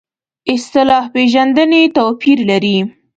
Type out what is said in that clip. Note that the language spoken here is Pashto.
اصطلاح پېژندنې توپیر لري.